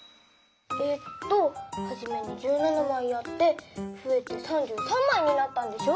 えっとはじめに１７まいあってふえて３３まいになったんでしょ。